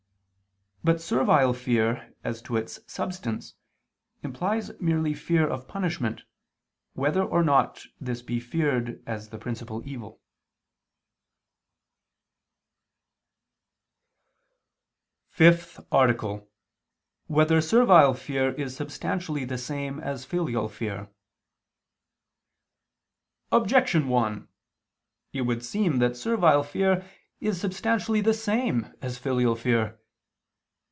But servile fear, as to its substance, implies merely fear of punishment, whether or not this be feared as the principal evil. _______________________ FIFTH ARTICLE [II II, Q. 19, Art. 5] Whether Servile Fear Is Substantially the Same As Filial Fear? Objection 1: It would seem that servile fear is substantially the same as filial fear.